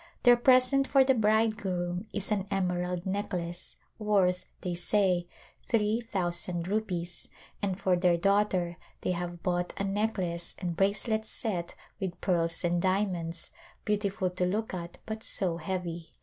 Their present for the bridegroom is an emerald necklace, worth, they say, three thousand rupees, and for their daughter they have bought a necklace and bracelets set with pearls and diamonds, beautiful to look at but so heavy.